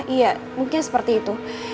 iya mungkin seperti itu